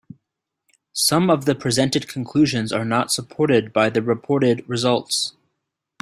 Some of the presented conclusions are not supported by the reported results.